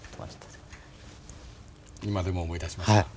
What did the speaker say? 今でも思い出しますか？